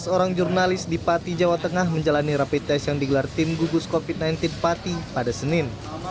sebelas orang jurnalis di pati jawa tengah menjalani rapid test yang digelar tim gugus covid sembilan belas pati pada senin